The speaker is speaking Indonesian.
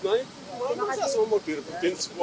tapi saya mau merebut semua